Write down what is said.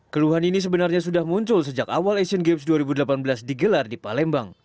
keluhan ini sebenarnya sudah muncul sejak awal asian games dua ribu delapan belas digelar di palembang